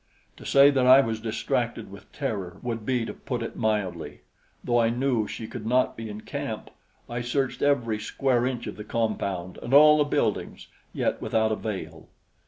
To say that I was distracted with terror would be to put it mildly. Though I knew she could not be in camp, I searched every square inch of the compound and all the buildings, yet without avail.